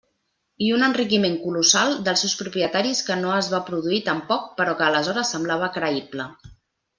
I un enriquiment colossal dels seus propietaris que no es va produir tampoc però que aleshores semblava creïble.